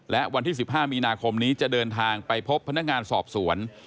และวันที่๑๕มีนาคมนี้จะเดินทางไปพบพนักงานสอบสวน